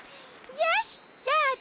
よしどうぞ！